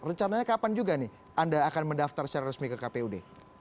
rencananya kapan juga nih anda akan mendaftar secara resmi ke kpud